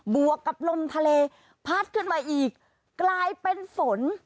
วกกับลมทะเลพัดขึ้นมาอีกกลายเป็นฝน